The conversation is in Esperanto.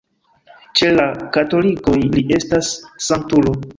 Ĉe la katolikoj li estas sanktulo.